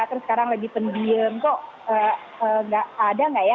terus sekarang lebih pendiem kok ada tidak ya